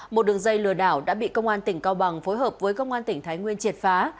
một đường dây lừa đảo đã bị công an tỉnh cao bằng phối hợp với công an tỉnh thái nguyên triệt phá